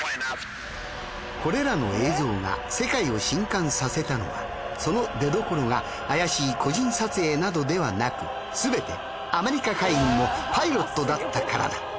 これらの映像が世界を震かんさせたのはその出どころが怪しい個人撮影などではなく全てアメリカ海軍のパイロットだったからだ。